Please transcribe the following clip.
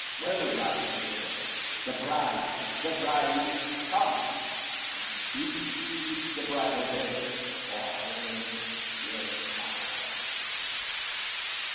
well ride the dead; The bride, the bride is come; And soon we reach the bridal bed, For, Helen, here's my home."